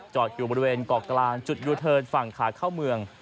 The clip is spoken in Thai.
อยู่บริเวณเกาะกลางจุดยูเทิร์นฝั่งขาเข้าเมือง